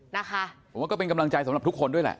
นะคะผมว่าก็เป็นกำลังใจสำหรับทุกคนด้วยแหละ